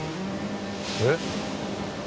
えっ？